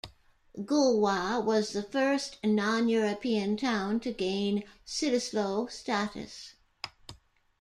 Goolwa was the first non-European town to gain Cittaslow status.